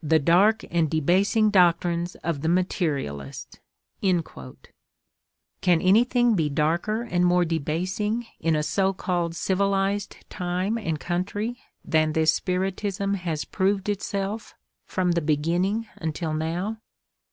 "The dark and debasing doctrines of the materialists"! Can anything be darker and more debasing in a so called civilised time and country than this Spiritism has proved itself from the beginning until bow?